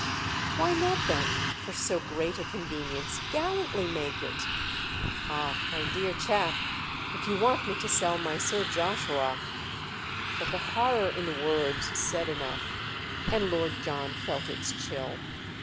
"Why not then—for so great a convenience—gallantly make it?" "Ah, my dear chap, if you want me to sell my Sir Joshua——!" But the horror in the words said enough, and Lord John felt its chill.